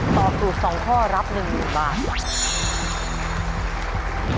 ตอบถูก๒ข้อรับ๑๐๐๐บาท